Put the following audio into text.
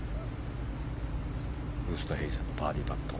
ウーストヘイゼンのバーディーパット。